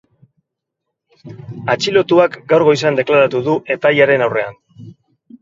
Atxilotuak gaur goizean deklaratu du epailearen aurrean.